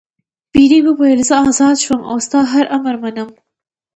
پیري وویل زه آزاد شوم او ستا هر امر منم.